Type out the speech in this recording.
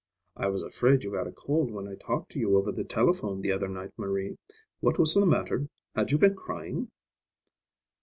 "I was afraid you had a cold when I talked to you over the telephone the other night, Marie. What was the matter, had you been crying?"